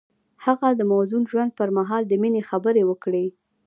هغه د موزون ژوند پر مهال د مینې خبرې وکړې.